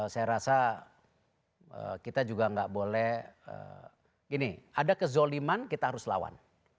saya rasa kita juga nggak boleh gini ada kezoliman kita harus lawan